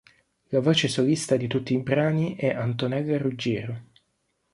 La voce solista di tutti i brani è Antonella Ruggiero.